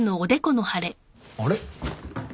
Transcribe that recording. あれ？